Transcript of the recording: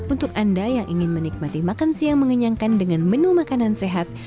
untuk anda yang ingin menikmati makan siang mengenyangkan dengan menu makanan sehat